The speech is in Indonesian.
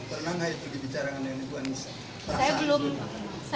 pernah gak itu dibicarakan dengan ibu anissa